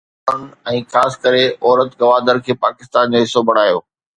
جن ماڻهن ۽ خاص ڪري عورت گوادر کي پاڪستان جو حصو بڻايو